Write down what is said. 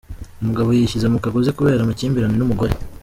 Umugabo Yishyize mu kagozi kubera amakimbirane n’umugore